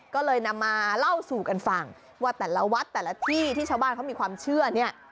ก็เลยนำมาเล่าสู่กันฟังว่าแต่ละวัดแต่ละที่ที่ชาวบ้านเขามีความเชื่อเนี่ย